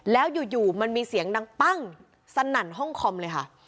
แล้วอยู่มันมีเสียงดังปั้งสนั่นห้องคอมเลยค่ะ